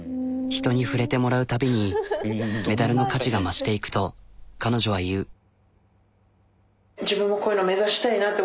人に触れてもらうたびにメダルの価値が増していくと彼女は言う。